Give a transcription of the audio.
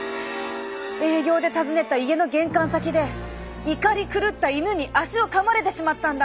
営業で訪ねた家の玄関先で怒り狂った犬に足をかまれてしまったんだ。